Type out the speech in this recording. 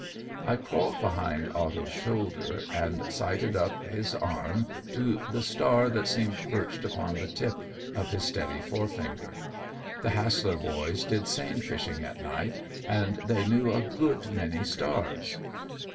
I crawled behind Otto's shoulder and sighted up his arm to the star that seemed perched upon the tip of his steady forefinger. The Hassler boys did seine fishing at night, and they knew a good many stars.